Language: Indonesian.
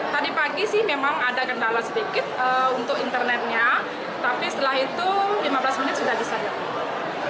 tadi pagi sih memang ada kendala sedikit untuk internetnya tapi setelah itu lima belas menit sudah disediakan